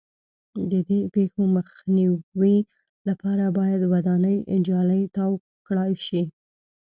د دې پېښو مخنیوي لپاره باید ودانۍ جالۍ تاو کړای شي.